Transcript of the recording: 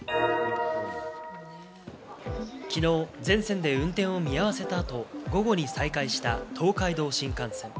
きのう、全線で運転を見合わせた後、午後に再開した東海道新幹線。